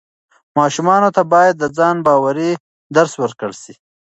ماشومانو ته باید د ځان باورۍ درس ورکړل سي.